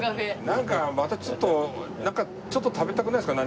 なんかまたちょっとなんかちょっと食べたくないですか？